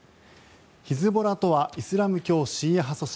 ヒズボラとはイスラム教シーア派組織。